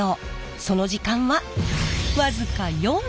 その時間は僅か４秒。